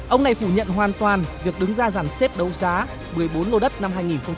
ông này phủ nhận hoàn toàn việc đứng ra giàn xếp đấu giá một mươi bốn ngô đất năm hai nghìn một mươi tám